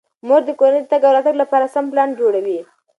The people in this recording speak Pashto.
مور د کورنۍ د تګ او راتګ لپاره سم پلان جوړوي.